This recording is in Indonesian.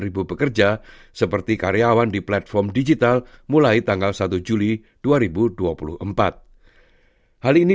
ribu pekerja seperti karyawan di platform digital mulai tanggal satu juli dua ribu dua puluh empat hal ini